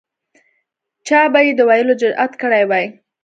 چا به یې د ویلو جرأت کړی وای.